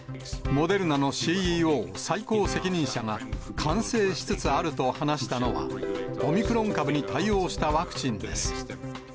モデルナのＣＥＯ・最高責任者が完成しつつあると話したのは、オミクロン株に対応したワクチンです。